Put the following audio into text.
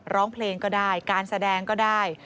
ร้องเพลงก็ได้การแสดงก็ได้